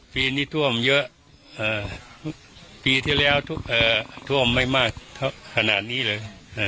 ปีนี้ท่วมเยอะปีที่แล้วท่วมไม่มากขนาดนี้เลย